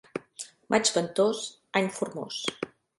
Maig ventós, any formós.